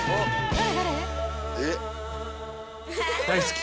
誰？